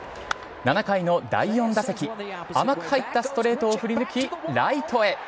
７回の第４打席、甘く入ったストレートを振り抜き、ライトへ。